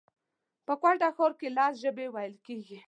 په کوټه ښار کښي لس ژبي ویل کېږي